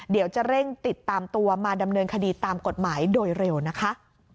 เดี๋ยวจะเร่งติดตามตัวมาดำเนินคดีตามกฎหมายโดยเร็วนะคะ